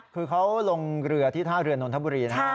คือเขาลงเรือที่ท่าเรือนนทบุรีนะฮะ